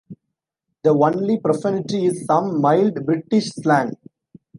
The only profanity is some mild British slang.